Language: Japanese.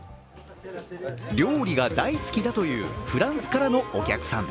料理が大好きだというフランスからのお客さん。